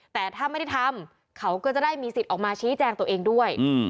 แต่ถ้าไม่ได้ทำเขาก็จะได้มีสิทธิ์ออกมาชี้แจงตัวเองด้วย